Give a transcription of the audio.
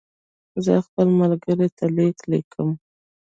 زه خپل ملګري ته لیک لیکم.